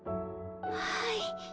はい。